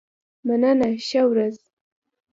مننه ښه ورځ.